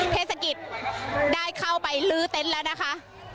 เทศกิจได้เข้าไปลื้อเต็นต์แล้วนะคะ